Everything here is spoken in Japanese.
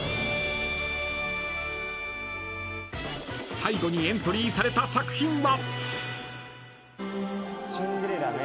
［最後にエントリーされた作品は？］